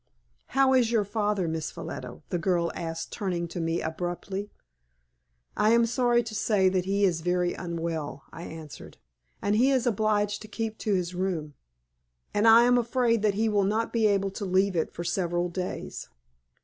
"How is your father, Miss Ffolliot?" the girl asked, turning to me abruptly. "I am sorry to say that he is very unwell," I answered, "and he is obliged to keep to his room. And I am afraid that he will not be able to leave it for several days."